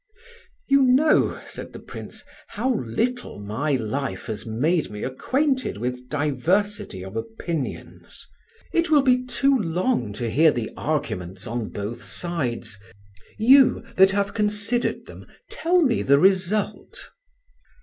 "You know," said the Prince, "how little my life has made me acquainted with diversity of opinions; it will be too long to hear the arguments on both sides; you, that have considered them, tell me the result."